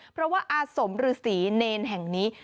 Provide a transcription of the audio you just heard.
เพราะว่าอาสมรือศรีเนนแห่งนี้